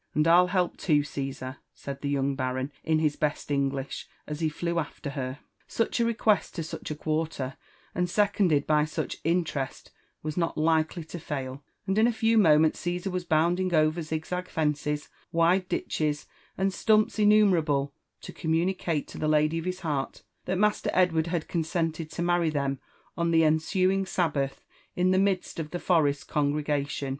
—" And ru help too, Caesar," said the young baron in his best English, as he flew after her. Such a request, to such a quarter, and seconded by such interest, was not likely to fail, and in a few moments Caesar was bounding over ziz zag fences, wide ditches, and stumps innumerable, to communicate to the lady of his heart, that master Edward had consented to marry them on the ensuing Sabbath in the midst of the forest congregation.